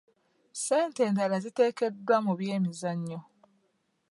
Ssente endala ziteekeddwa mu byemizannyo.